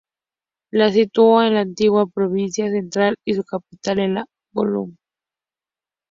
Se sitúa en la antigua Provincia Central y su capital es Ol Kalou.